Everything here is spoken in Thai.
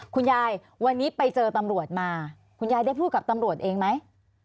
คุณยายวันนี้ไปเจอตำรวจมาคุณยายได้พูดกับตำรวจเองไหม